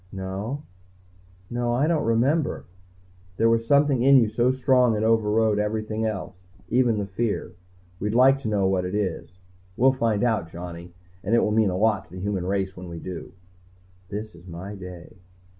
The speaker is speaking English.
"No. No I don't remember " "There was something in you so strong it overrode everything else, even the fear. We'd like to know what it is. We'll find out, Johnny, and it will mean a lot to the human race when we do." _This is my day.